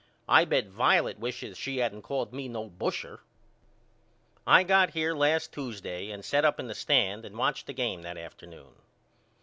I bet Violet wishes she hadn't called me no busher. I got here last Tuesday and set up in the stand and watched the game that afternoon.